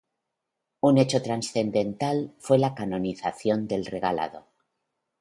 Un hecho trascendental fue la canonización del Regalado.